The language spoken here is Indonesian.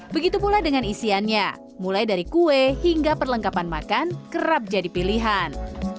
begitu pula dengan isiannya mulai dari kue hingga perlengkapan makan kerap jadi pilihan